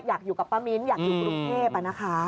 อยากอยู่กับป้ามิ้นอยากอยู่กรุงเทพนะคะ